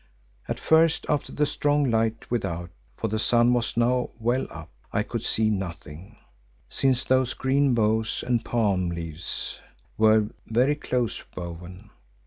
At first after the strong light without, for the sun was now well up, I could see nothing, since those green boughs and palm leaves were very closely woven.